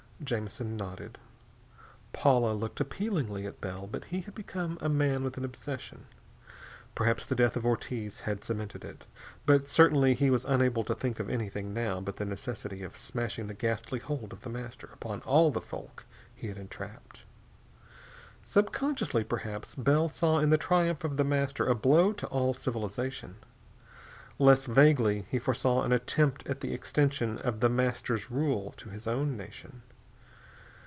Jamison nodded. Paula looked appealingly at Bell, but he had become a man with an obsession. Perhaps the death of Ortiz had cemented it, but certainly he was unable to think of anything, now, but the necessity of smashing the ghastly hold of The Master upon all the folk he had entrapped. Subconsciously, perhaps, Bell saw in the triumph of The Master a blow to all civilization. Less vaguely, he foresaw an attempt at the extension of The Master's rule to his own nation.